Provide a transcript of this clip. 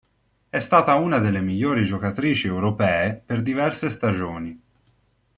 È stata una delle migliori giocatrici europee per diverse stagioni.